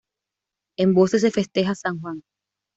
En Voces se festeja San Juan